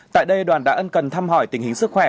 tại đây đoàn đã ân cần thăm hỏi tình hình sức khỏe